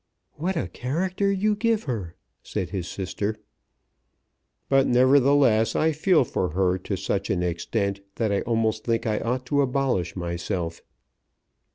"What a character you give her," said his sister. "But nevertheless I feel for her to such an extent that I almost think I ought to abolish myself."